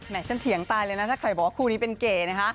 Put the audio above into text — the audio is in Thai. แหมฉันเถียงตายเลยนะถ้าใครบอกว่าครูนี้เป็นเก๋